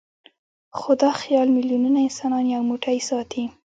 خو دا خیال میلیونونه انسانان یو موټی ساتي.